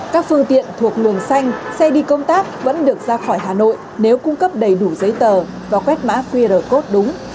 các phương tiện thuộc luồng xanh xe đi công tác vẫn được ra khỏi hà nội nếu cung cấp đầy đủ giấy tờ và quét mã qr code đúng